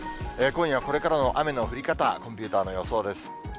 今夜これからの雨の降り方、コンピューターの予想です。